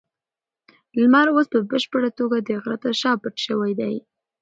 لمر اوس په بشپړه توګه د غره تر شا پټ شوی دی.